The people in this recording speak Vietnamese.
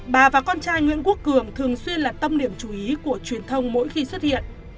bà và con trai nguyễn quốc cường thường xuyên là tâm điểm chú ý của truyền thông mỗi khi xuất hiện